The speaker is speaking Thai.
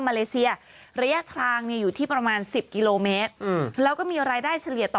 เลเซียระยะทางเนี่ยอยู่ที่ประมาณ๑๐กิโลเมตรแล้วก็มีรายได้เฉลี่ยต่อ